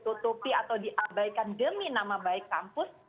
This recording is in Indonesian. tutupi atau diabaikan demi nama baik kampus